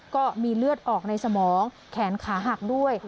ก็มีเลือดออกในสมองแขนขาหักด้วย